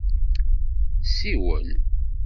Siwen.